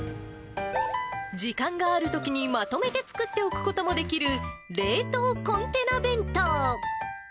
時間があるときにまとめて作って置くこともできる冷凍コンテナ弁当。